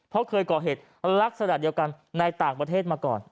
เพราะเคยก่อเหตุลักษณะเดียวกันในต่างประเทศมาก่อน